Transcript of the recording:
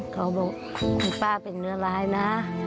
เขาบอกคุณป้าเป็นเนื้อร้ายนะ